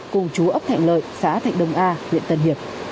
cùng chú ấp thạnh lợi xã thạnh đông a huyện tân hiệp